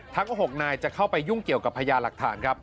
ทั้ง๖นายจะเข้าไปยุ่งเกี่ยวกับพญาหลักฐานครับ